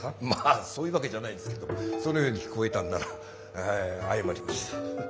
まあそういうわけじゃないですけどもそのように聞こえたんなら謝ります。